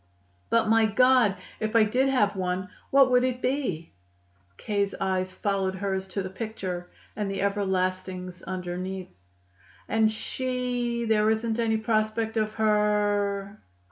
But, my God! if I did have one; what would it be?" K.'s eyes followed hers to the picture and the everlastings underneath. "And she there isn't any prospect of her